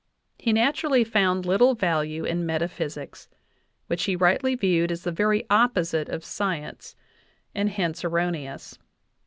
He naturally found little value in metaphysics, which he rightly viewed as the very opposite of science, and hence erroneous.